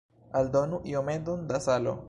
Aldonu iometon da salo.